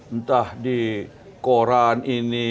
entah di koran ini